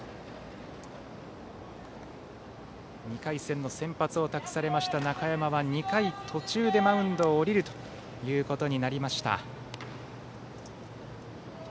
２回戦の先発を託されました中山は２回途中でマウンドを降りることになりました。